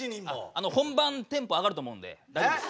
あの本番テンポ上がると思うんで大丈夫です。